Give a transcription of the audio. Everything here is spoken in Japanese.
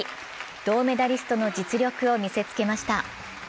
銅メダリストの実力を見せつけました。